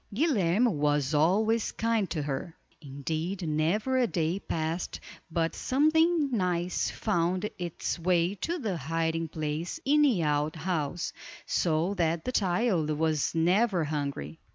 Guilerme was always kind to her; indeed never a day passed but something nice found its way to the hiding place in the out house, so that the child was never hungry.